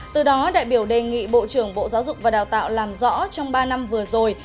từ đó đại biểu đề nghị bộ trưởng bộ giáo dục và đào tạo làm rõ trong ba năm vừa rồi